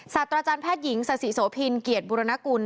สัตว์อาจารย์แพทย์หญิงสาสิโสพินเกียรติบุรณกุล